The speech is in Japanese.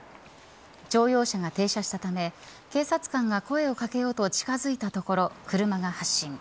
乗用車が停車したため警察官が声を掛けようと近づいたところ車が発進。